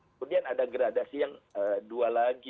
kemudian ada gradasi yang dua lagi